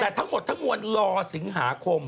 แต่ทั้งหมดทั้งมวลรอสิงหาคม